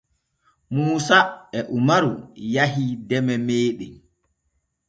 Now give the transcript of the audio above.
Muusa e umaru yahii deme meeɗen.